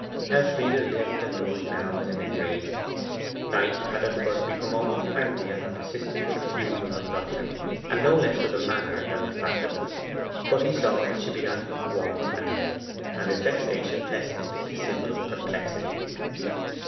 Elfride lived and moved now as in a dream. Knight had at first become almost angry at her persistent refusal of his offering and no less with the manner than the fact of it. But he saw that she began to look worn and ill and his vexation lessened to simple perplexity.